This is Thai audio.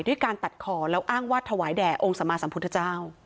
ด้วยการตัดคอแล้วอ้างว่าถวายแด่องค์สมาสัมพุทธเจ้า